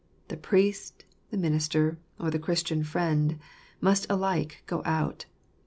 The priest, the minister, or the Christian friend, must alike go out.